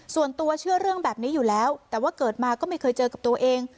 ส่วนตัวเชื่อเรื่องแบบนี้อยู่แล้วแต่ว่าเกิดมาก็ไม่เคยเจอกับตัวเอง